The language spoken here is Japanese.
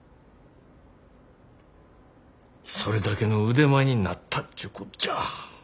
それだけの腕前になったちゅうこっちゃ。